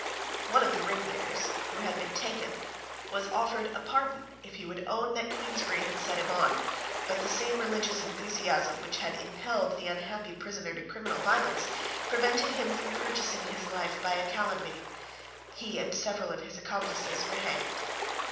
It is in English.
One of the ringleaders, who had been taken, was offered a pardon if he would own that Queensberry had set him on; but the same religious enthusiasm, which had impelled the unhappy prisoner to criminal violence, prevented him from purchasing his life by a calumny. He and several of his accomplices were hanged.